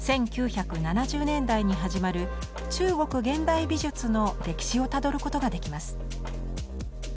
１９７０年代に始まる中国現代美術の歴史をたどることができます。